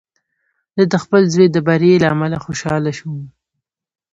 زه د خپل زوی د بري له امله خوشحاله وم.